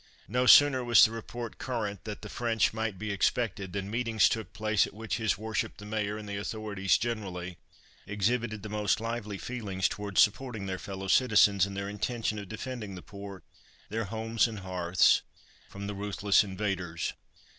No sooner was the report current that the French might be expected, than meetings took place at which his Worship the Mayor and the authorities generally, exhibited the most lively feeling towards supporting their fellow citizens in their intention of defending the port, their homes, and hearths, from the ruthless invaders.